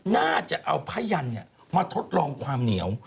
น่าจะเอาผ้ายันมาทดลองความเหนียว